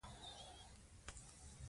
باید د دې حق غوښتنه وکړو.